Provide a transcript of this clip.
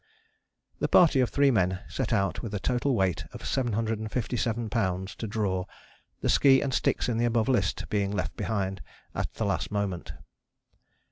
The party of three men set out with a total weight of 757 lbs. to draw, the ski and sticks in the above list being left behind at the last moment.